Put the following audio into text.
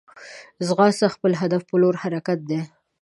ځغاسته د خپل هدف پر لور حرکت دی